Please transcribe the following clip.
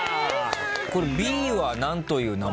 これＢは何という名前？